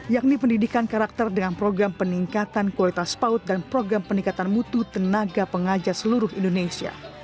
yakni pendidikan karakter dengan program peningkatan kualitas paut dan program peningkatan mutu tenaga pengajar seluruh indonesia